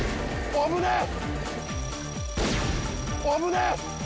危ねえ！